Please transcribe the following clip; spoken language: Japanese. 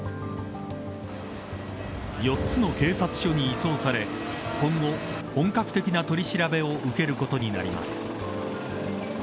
４つの警察署に移送され今後、本格的な取り調べを受けることになります。